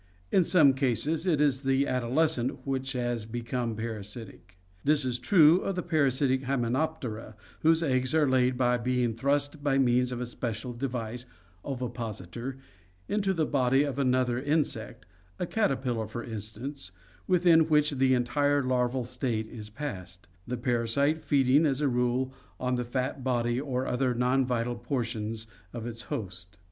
In some cases it is the adolescent which has become parasitic. This is true of the parasitic Hymenoptera, whose eggs are laid by being thrust by means of a special device (ovipositor) into the body of another insect, a caterpillar for instance, within which the entire larval state is passed, the parasite feeding as a rule on the fat body or other non vital portions of its host.